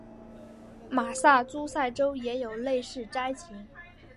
马萨诸塞州也有类似灾情。